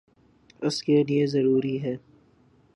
اس کے لئیے ضروری ہے